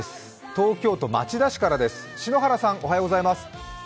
東京都町田市からです。